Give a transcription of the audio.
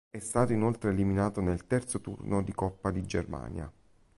È stato inoltre eliminato nel Terzo Turno di Coppa di Germania.